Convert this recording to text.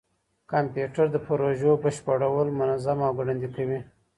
کمپيوټر د پروژو بشپړول منظم او ګړندي کوي.